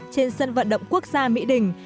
trên sân vận động quốc gia mỹ đỉnh